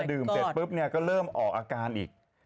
เดิมเซทปุ๊ปก็เริ่มออกอาการอีก